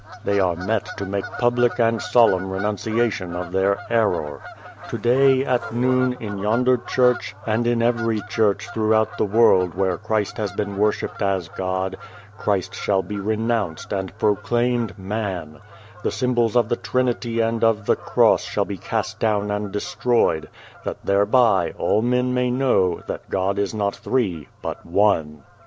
They are met to make public and solemn renuncia tion of their error. To day, at noon, in yonder church, and in every church throughout the world where Christ has been worshipped as God, Christ shall be renounced and proclaimed man ; the symbols of the Trinity and of the Cross shall be cast down and destroyed, that thereby all men may know that God is not Three but One.